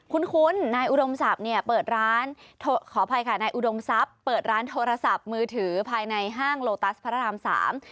คุ้นนายอุดมศักดิ์เนี่ยเปิดร้านขออภัยค่ะนายอุดมทรัพย์เปิดร้านโทรศัพท์มือถือภายในห้างโลตัสพระรามสาม